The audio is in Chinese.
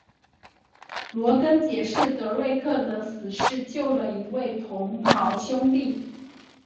罗根解释德瑞克的死是救了一位同袍兄弟。